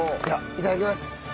いただきます。